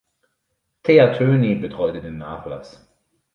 Thea Thöny betreute den Nachlass.